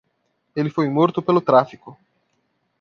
Ele foi morto pelo tráfico.